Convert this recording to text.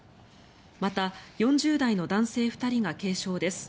また、４０代の男性２人が軽傷です。